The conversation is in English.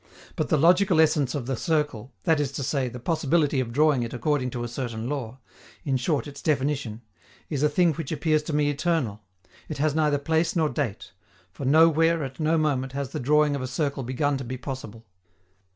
But the "logical essence" of the circle, that is to say, the possibility of drawing it according to a certain law in short, its definition is a thing which appears to me eternal: it has neither place nor date; for nowhere, at no moment, has the drawing of a circle begun to be possible.